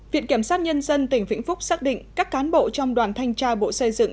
viện kiểm sát nhân dân tỉnh vĩnh phúc xác định các cán bộ trong đoàn thanh tra bộ xây dựng